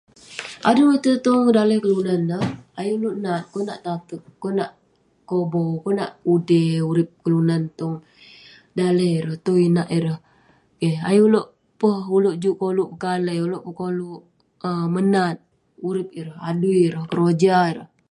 Aduhh, tai tong daleh kelunan neh, ayuk neuk nat konak tateq, konak kobau, konak udey urip kelunan tong daleh ireh, tong inak ireh keh ayuk uleuk peh, uleuk juk koluk pekalai, uleuk peh koluk um menat urip ireh, adui ireh, keroja ireh.